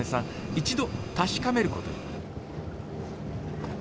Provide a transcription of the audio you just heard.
一度確かめることに。